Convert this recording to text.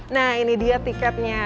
nah ini dia tiketnya